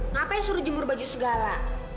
ngapain suruh jemur baju segala